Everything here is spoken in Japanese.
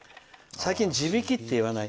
最近字引って言わない？